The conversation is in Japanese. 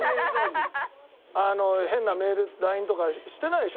変なメールＬＩＮＥとかしてないでしょ？